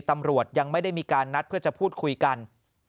ตำรวจยังไม่ได้มีการนัดเพื่อจะพูดคุยกัน